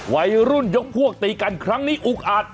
วัยรุ่นยกพวกตีกันครั้งนี้อุกอาจ